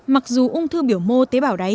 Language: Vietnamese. mặc dù ung thư biểu mô tế bào đáy